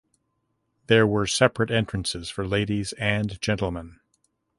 There were separate entrances for ladies and gentlemen.